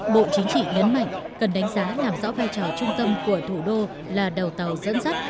bộ chính trị nhấn mạnh cần đánh giá làm rõ vai trò trung tâm của thủ đô là đầu tàu dẫn dắt